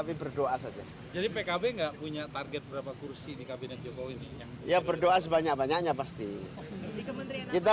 musulinnya berapa cak